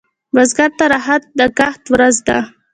بزګر ته راحت د کښت ورځ ده